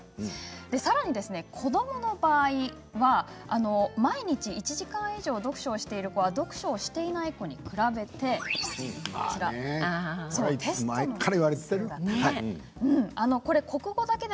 さらに子どもの場合には毎日１時間以上読書をしている子は読書をしていない子どもに比べてテストの点数が高いということなんです。